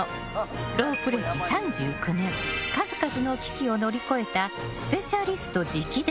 ロープ歴３９年数々の危機を乗り越えたスペシャリスト直伝！